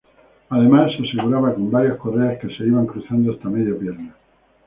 Además, se aseguraba con varias correas que se iban cruzando hasta media pierna.